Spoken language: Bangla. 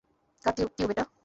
কার কিউব এটা?